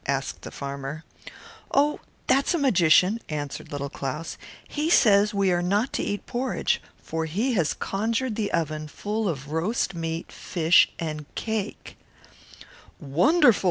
asked the farmer. "Oh, it is a conjuror," said Little Claus; "and he says we need not eat porridge, for he has conjured the oven full of roast meat, fish, and pie." "Wonderful!"